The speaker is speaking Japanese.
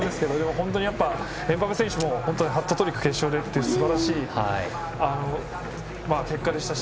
本当にエムバペ選手もハットトリックを決勝でというのはすばらしい結果でしたし。